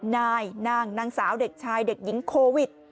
นายนางนางสาวเด็กชายเด็กหญิงโควิด